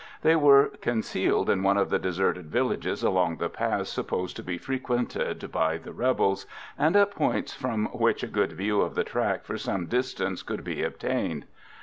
They were concealed in one of the deserted villages along the paths supposed to be frequented by the rebels, and at points from which a good view of the track for some distance could be obtained.